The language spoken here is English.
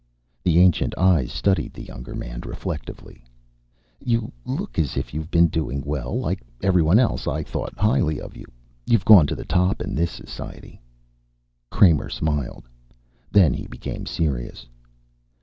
The ancient eyes studied the younger man reflectively. "You look as if you have been doing well. Like everyone else I thought highly of. You've gone to the top in this society." Kramer smiled. Then he became serious.